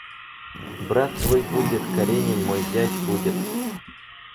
Брат твой будет, Каренин, мой зять, будет.